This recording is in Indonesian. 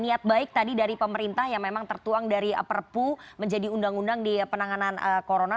niat baik tadi dari pemerintah yang memang tertuang dari perpu menjadi undang undang di penanganan corona